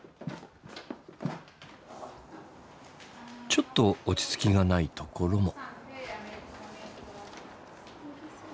ちょっと落ち着きがないところも。